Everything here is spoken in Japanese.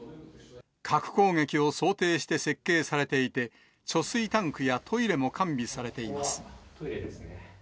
核攻撃を想定して設計されていて、貯水タンクやトイレも完備されています。